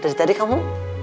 dari tadi kamu